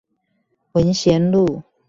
文賢路